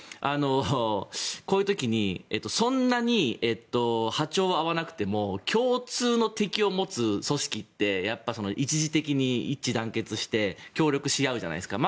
こういう時にそんなに波長が合わなくても共通の敵を持つ組織ってやっぱり一時的に一致団結して協力し合うじゃないですか。